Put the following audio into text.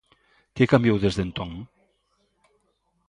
Que cambiou desde entón?